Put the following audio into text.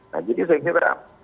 nah jadi saya kira